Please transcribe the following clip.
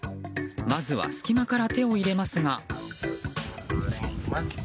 まずは隙間から手を入れますが。